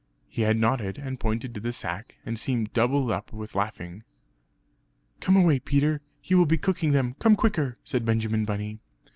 He had nodded, and pointed to the sack, and seemed doubled up with laughing. "Come away, Peter; he will be cooking them; come quicker!" said Benjamin Bunny.